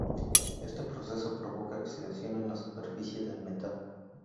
Éste proceso provoca oxidación en la superficie del metal.